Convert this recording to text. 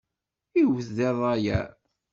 Iwwet di rrayeɛ.